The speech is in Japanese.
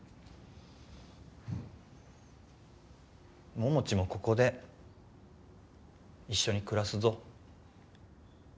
桃地もここで一緒に暮らすぞ。